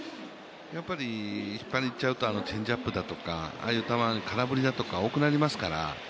やっぱりチェンジアップだとかああいう球に空振りだとか多くなりますから。